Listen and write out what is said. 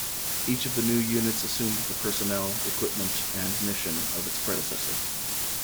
Each of the new units assumed the personnel, equipment, and mission of its predecessor.